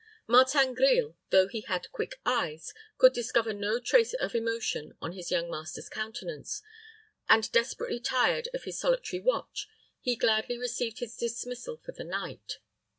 Martin Grille, though he had quick eyes, could discover no trace of emotion on his young master's countenance; and desperately tired of his solitary watch, he gladly received his dismissal for the night.